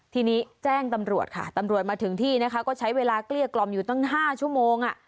ทีนี้แจ้งตำรวจค่ะตำรวจมาถึงที่นะคะก็ใช้เวลาเกลี้ยกล่อมอยู่ตั้ง๕ชั่วโมง